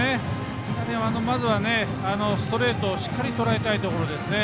まずはストレートをしっかりとらえたいところですね。